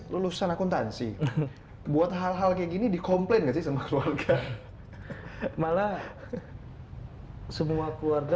lulusan akuntansi buat hal hal kayak gini di komplain nggak sih sama keluarga malah semua keluarga